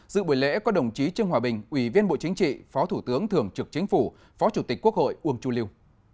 dự buổi lễ có đồng chí trương hòa bình ủy viên bộ chính trị phó thủ tướng thường trực chính phủ phó chủ tịch quốc hội uông chu liêu